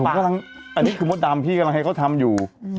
ผมกำลังอันนี้คือมดดำพี่กำลังให้เขาทำอยู่